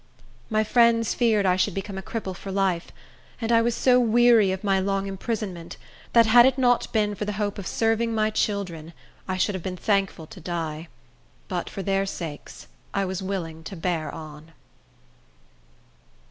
My friends feared I should become a cripple for life; and I was so weary of my long imprisonment that, had it not been for the hope of serving my children, I should have been thankful to die; but, for their sakes, I was willing to bear on.